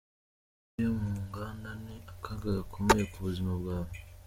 Isukari yo mu nganda ni akaga gakomeye ku buzima bwawe.